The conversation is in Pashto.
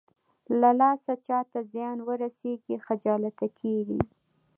له لاسه چاته زيان ورسېږي خجالته کېږي.